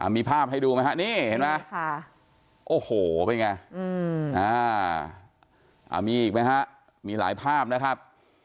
มีภาพให้ดูไหมฮะนี่เห็นไหมโอ้โหเป็นไงมีอีกไหมฮะมีหลายภาพนะครับ